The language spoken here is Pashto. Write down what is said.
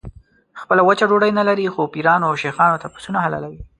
خپله وچه ډوډۍ نه لري خو پیرانو او شیخانو ته پسونه حلالوي.